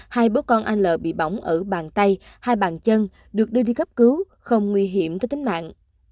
hai bố con anh l bị bỏng ở bàn tay hai bàn chân được đưa đi cấp cứu không nguy hiểm tới tính mạng